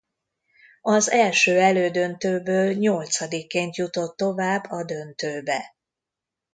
Az első elődöntőből nyolcadikként jutott tovább a döntőbe.